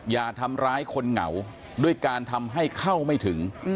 อย่าทำร้ายคนเหงาด้วยการทำให้เข้าไม่ถึง